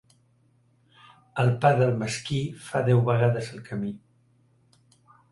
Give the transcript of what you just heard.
El pa del mesquí fa deu vegades el camí.